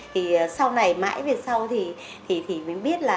thì sau này mãi về sau thì mới biết là